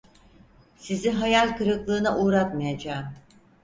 Sizi hayal kırıklığına uğratmayacağım.